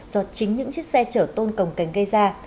do chính những chiếc xe chở tôn cành gây ra